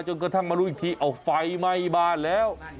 กระทั่งมารู้อีกทีเอาไฟไหม้บ้านแล้ว